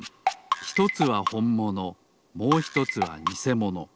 ひとつはほんものもうひとつはにせもの。